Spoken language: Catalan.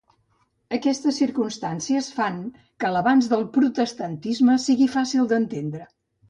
Aquestes circumstàncies fan que l'avanç del protestantisme sigui fàcil d'entendre.